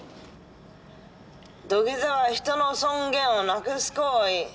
土下座は人の尊厳をなくす行為！